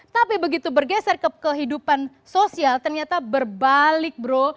tapi begitu bergeser ke kehidupan sosial ternyata berbalik bro